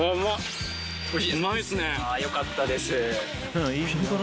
あよかったです。